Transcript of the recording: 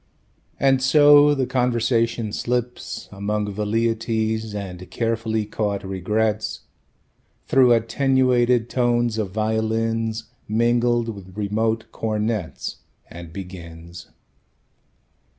And so the conversation slips Among velleities and carefully caught regrets Through attenuated tones of violins Mingled with remote cornets And begins.